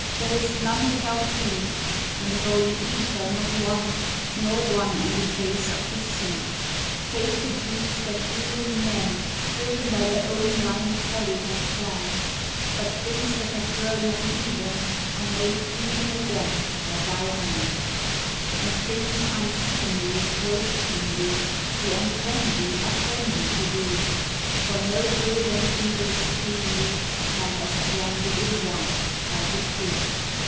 there is none without thee ; In the holy ether not one, nor one on the face of the sea. Save the deeds that evil men, driven by their own blind folly, have planned; But things that have grown uneven are made even again by thy hand; And things unseemly grow seemly, the unfriendly are friendly to thee; For no good and evil supremely thou hast blended in one by decree.